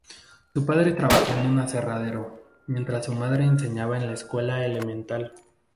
Su padre trabajó en un aserradero, mientras su madre enseñaba en la escuela elemental.